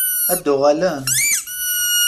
Ad d-uɣalen?